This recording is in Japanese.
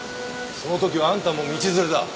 その時はあんたも道連れだ。